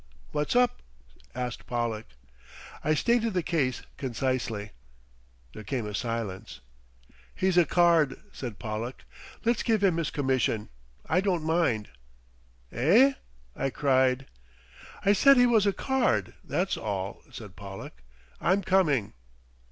"What's up?" asked Pollack. I stated the case concisely. There came a silence. "He's a Card," said Pollack. "Let's give him his commission. I don't mind." "Eh?" I cried. "I said he was a Card, that's all," said Pollack. "I'm coming."